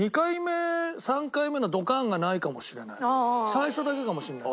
最初だけかもしれない。